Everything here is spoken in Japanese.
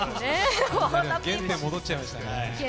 原点に戻っちゃいましたね。